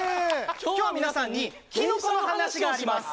今日は皆さんにきのこの話があります